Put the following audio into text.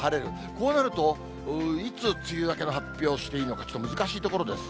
こうなると、いつ梅雨明けの発表していいのか、ちょっと難しいところです。